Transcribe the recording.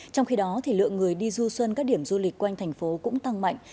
trong khi đó lượng người đi du xuân các điểm du lịch quanh thành phố cũng tăng mạnh